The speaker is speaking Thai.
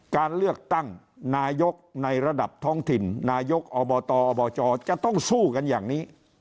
การเลือกตั้งนายกในระดับท้องถิ่นนายกอบตอบจจะต้องสู้กันอย่างนี้